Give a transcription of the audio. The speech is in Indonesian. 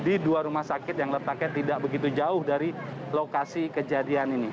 di dua rumah sakit yang letaknya tidak begitu jauh dari lokasi kejadian ini